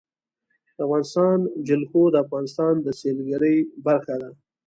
د افغانستان جلکو د افغانستان د سیلګرۍ برخه ده.